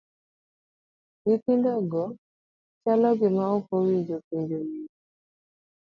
Nyithindo go nechalo gima ok owinjo penjo min gi.